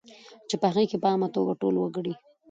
چې په هغې کې په عامه توګه ټول وګړي